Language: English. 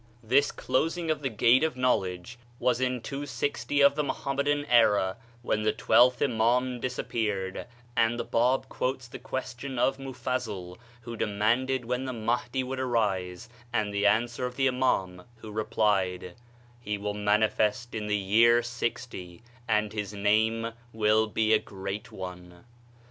This closing of the gate of knowledge was in 260 of the Mohammedan era, when the twelfth Imaum disappeared, and the Bab quotes the question of Moufazzl who de manded when the Mahdi would arise, and the answer of the Imaum, who replied: "He will manifest in the JGSHC 60, and his name will be a great one."